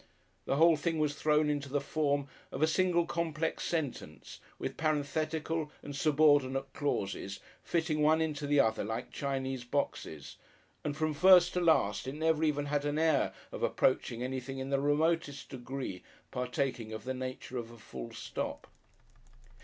The whole thing was thrown into the form of a single complex sentence, with parenthetical and subordinate clauses fitting one into the other like Chinese boxes, and from first to last it never even had an air of approaching anything in the remotest degree partaking of the nature of a full stop.